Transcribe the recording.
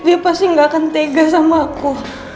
dia pasti gak akan tega sama aku